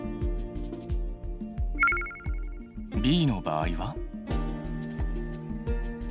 Ｂの場合は。